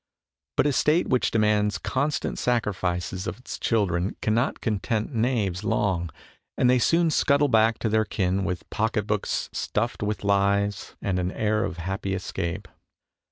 But a State which demands constant sacrifices of its THE TRUE BOHEMIA 31 children cannot content knaves long, and they soon scuttle back to their kin with pocket books stuffed with lies and an air of happy escape.